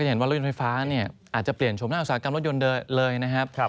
เห็นว่ารถยนต์ไฟฟ้าเนี่ยอาจจะเปลี่ยนชมหน้าอุตสาหกรรมรถยนต์เลยนะครับ